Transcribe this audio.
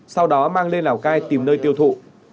sau đó mang lên lào cai tìm nơi tiêu thụ